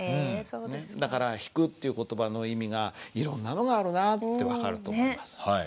だから「引く」っていう言葉の意味がいろんなのがあるなって分かると思います。